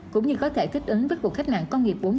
cũng như có thể thích ứng với cuộc cách mạng công nghiệp bốn